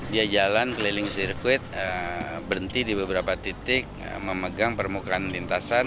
dia jalan keliling sirkuit berhenti di beberapa titik memegang permukaan lintasan